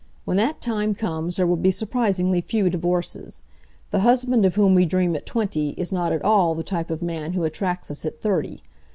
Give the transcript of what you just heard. When that time comes there will be surprisingly few divorces. The husband of whom we dream at twenty is not at all the type of man who attracts us at thirty.